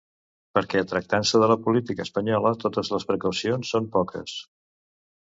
Perquè tractant-se de la política espanyola, totes les precaucions són poques.